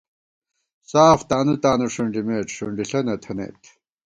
ساف تانُو تانُو ݭُنڈِمېت، ݭُنڈِݪہ نہ تھنَئیت